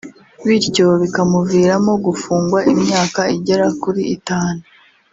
bityo bikamuviramo gufungwa imyaka igera kuri itanu